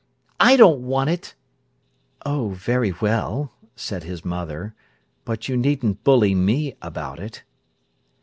"I don't want it." "Oh, very well," said his mother. "But you needn't bully me about it."